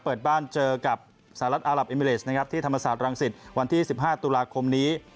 เปิดบ้านเจอกับสหรัฐอารับเอมิเลสนะครับที่ธรรมศาสตรังสิตวันที่๑๕ตุลาคมนี้